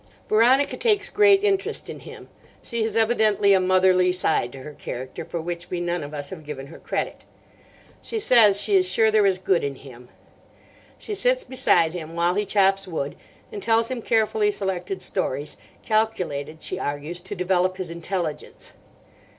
"Veronica takes great interest in him. She has evidently a motherly side to her character, for which we none of us have given her credit. She says she is sure there is good in him. She sits beside him while he chops wood, and tells him carefully selected stories, calculated, she argues, to develop his intelligence.